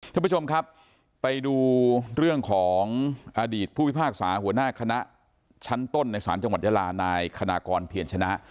ท่านผู้ชมครับไปดูเรื่องของอดีตผู้พิพากษาหัวหน้าคณะชั้นต้นในศาลจังหวัดยาลานายคณะกรเพียรชนะ